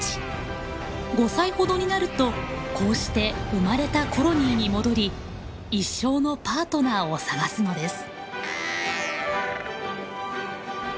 ５歳ほどになるとこうして生まれたコロニーに戻り一生のパートナーを探すのです。